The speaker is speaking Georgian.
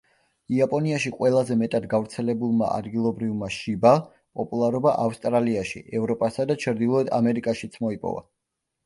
იაპონიაში ყველაზე მეტად გავრცელებულმა ადგილობრივმა შიბა, პოპულარობა ავსტრალიაში, ევროპასა და ჩრდილოეთ ამერიკაშიც მოიპოვა.